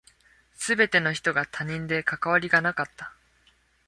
全ての人が他人で関わりがなかった。